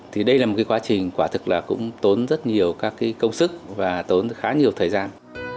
thì đây là một cái quá trình quả thực là cũng tốn rất nhiều các cái công sức và tốn khá nhiều thời gian